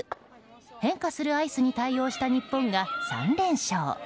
変化するアイスに対応した日本が、３連勝。